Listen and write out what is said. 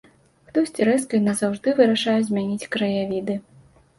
Хтосьці рэзка і назаўжды вырашае змяніць краявіды.